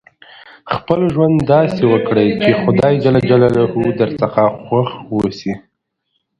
خپل ژوند داسي وکړئ، چي خدای جل جلاله درڅخه خوښ اوسي.